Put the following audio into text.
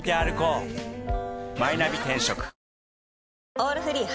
「オールフリー」